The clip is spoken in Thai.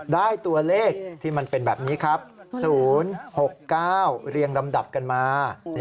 ได้ตัวเลขที่มันเป็นแบบนี้ครับ๐๖๙เรียงลำดับกันมา